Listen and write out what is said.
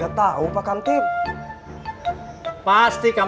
bolehkan saja listriknya sekedar